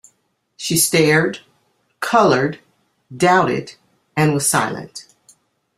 She stared, coloured, doubted, and was silent.